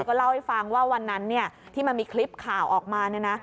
ก็เล่าให้ฟังว่าวันนั้นที่มันมีคลิปข่าวออกมา